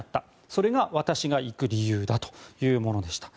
それが私が行く理由だというものでした。